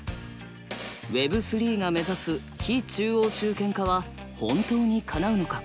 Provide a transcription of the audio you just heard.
Ｗｅｂ３が目指す非中央集権化は本当にかなうのか？